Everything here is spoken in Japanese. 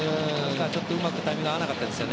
ちょっとうまくタイミングが合わなかったです。